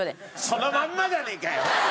そのまんまじゃねーかよ！